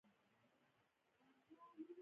زه له خپلي مورني ژبي پښتو سره مينه لرم